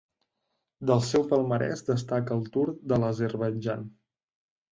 Del seu palmarès destaca el Tour de l'Azerbaidjan.